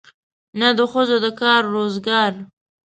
نه د ښځو د کار روزګار.